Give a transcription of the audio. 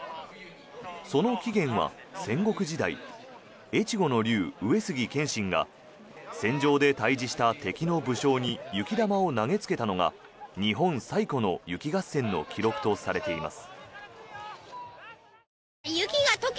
その起源は戦国時代越後の龍、上杉謙信が戦場で対峙した敵の武将に雪玉を投げつけたのが日本最古の雪合戦の記録とされています。